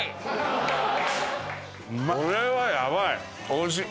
おいしい！